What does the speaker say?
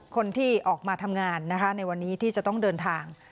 คนที่ออกมาทำงานนะคะในวันนี้ที่จะต้องเดินทาง